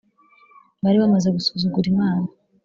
bari bamaze gusuzugura imana